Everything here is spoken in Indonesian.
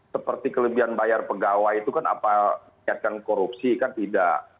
seperti kelebihan bayar pegawai itu kan apa niatkan korupsi kan tidak